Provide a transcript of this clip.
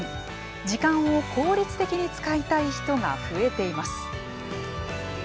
時間を効率的に使いたい人が増えています。